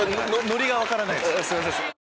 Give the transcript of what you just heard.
ノリが分からないです。